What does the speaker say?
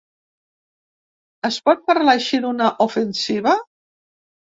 Es pot parlar així d’una ofensiva?